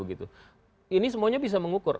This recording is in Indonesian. ini semuanya bisa mengukur